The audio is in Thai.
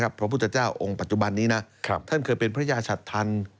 พระพุทธเจ้าองค์ปัจจุบันนี้นะท่านเคยเป็นพระยาชัดทัน